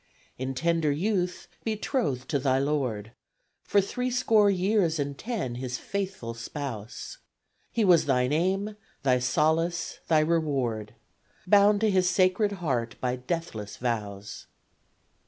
In tender youth, betrothed to thy Lord; For three score years and ten His faithful spouse, He was thine aim thy solace thy reward Bound to His Sacred Heart by deathless vows!